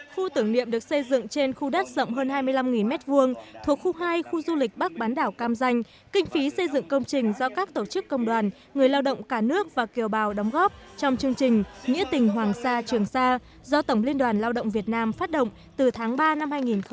khu tưởng niệm được xây dựng trên khu đất rộng hơn hai mươi năm m hai thuộc khu hai khu du lịch bắc bán đảo cam danh kinh phí xây dựng công trình do các tổ chức công đoàn người lao động cả nước và kiều bào đóng góp trong chương trình nghĩa tình hoàng sa trường sa do tổng liên đoàn lao động việt nam phát động từ tháng ba năm hai nghìn một mươi chín